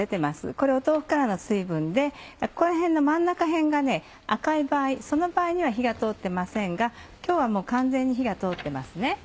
これ豆腐からの水分でここら辺の真ん中辺が赤い場合その場合には火が通ってませんが今日はもう完全に火が通ってます。